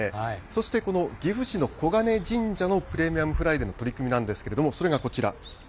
そしてこの岐阜市の金神社のプレミアムフライデーの取り組みなんですけれども、それがこちら。